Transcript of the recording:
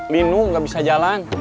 linu gak bisa jalan